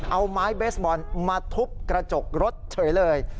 เอาไม้เบสบอลมาทุบกระจกรถเฉยเลย